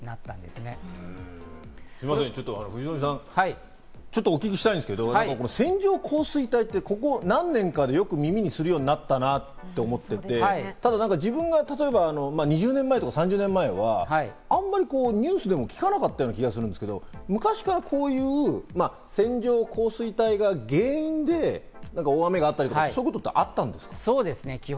すみません、藤富さん、ちょっとお聞きしたいんですけど、線状降水帯ってここ何年かでよく耳にするようになったなぁと思っていて、ただ自分が２０年前とか３０年前は、あんまりニュースでも聞かなかった気がするんですけど、昔からこういう線状降水帯が原因で大雨があったりとかっていうことはあったんですか？